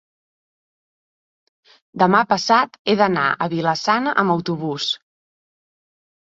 demà passat he d'anar a Vila-sana amb autobús.